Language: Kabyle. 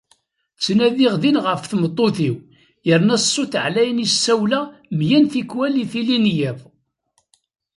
Ttnadiɣ din ɣef tmeṭṭut-iw, yerna s ṣṣut εlayen i s-ssawleɣ mya n tikwal i tili n yiḍ.